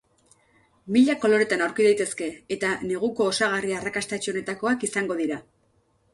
Mila koloretan aurki daitezke eta neguko osagarri arrakastatsuenetakoa izango dira.